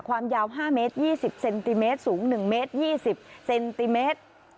ความยาว๕เมตร๒๐เซนติเมตรสูง๑เมตร๒๐เซนติเมตร